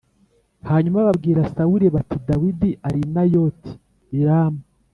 Hanyuma babwira Sawuli bati “Dawidi ari i Nayoti i Rama.”